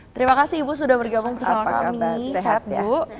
terima kasih ibu sudah bergabung bersama kami